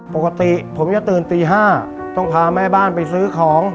ปกติผมจะตื่นตี๕ต้องพาแม่บ้านไปซื้อของ